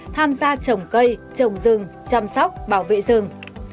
tham gia trồng cây trồng rừng chăm sóc bảo vệ rừng